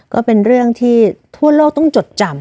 ก็เป็นเรื่องที่ทั่วโลกต้องจดจำ